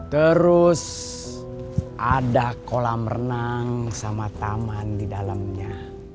terus ada kolam renang sama taman di dalamnya